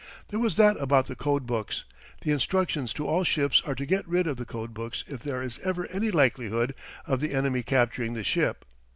There was that about the code books. The instructions to all ships are to get rid of the code books if there is ever any likelihood of the enemy capturing the ship.